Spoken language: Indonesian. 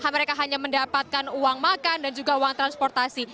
mereka hanya mendapatkan uang makan dan juga uang transportasi